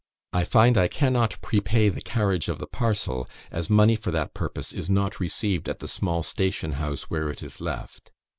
I find I cannot prepay the carriage of the parcel, as money for that purpose is not received at the small station house where it is left.